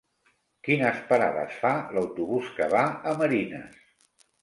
Quines parades fa l'autobús que va a Marines?